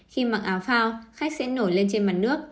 khi mặc áo phao khách sẽ nổi lên trên mặt nước